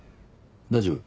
大丈夫？